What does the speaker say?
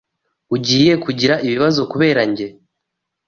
Ugiye kugira ibibazo kubera njye?